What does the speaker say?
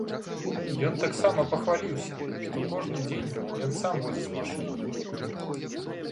Ён таксама пахваліўся, што кожны дзень ён сам водзіць машыну.